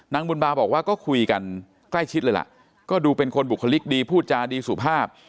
นางบุญบาบอกว่าก็คุยกันใกล้ชิดเลยล่ะก็ดูเป็นคนบุคลิกดีพูดจาดีสุภาพ